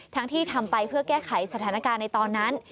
ที่ทำไปเพื่อแก้ไขสถานการณ์ในตอนนั้น